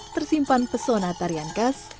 tersimpan pesona tarian khas